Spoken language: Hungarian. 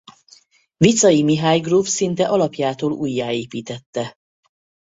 Viczay Mihály gróf szinte alapjától újjáépítette.